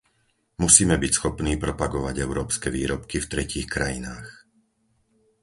Musíme byť schopní propagovať európske výrobky v tretích krajinách.